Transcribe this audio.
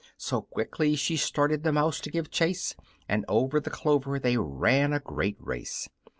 So quickly she started the mouse to give chase, And over the clover they ran a great race.